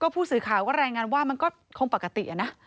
ผู้สื่อข่าวก็รายงานว่ามันก็คงปกตินะ